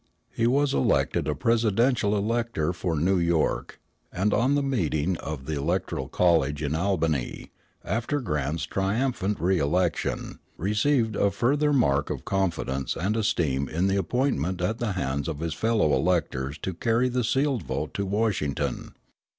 He was elected a presidential elector for New York, and on the meeting of the electoral college in Albany, after Grant's triumphant re election, received a further mark of confidence and esteem in the appointment at the hands of his fellow electors to carry the sealed vote to Washington.